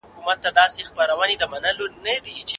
خلګ تل پر لويې جرګي باور کوي.